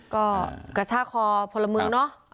ก็กระชากคอพลเมืองเนาะ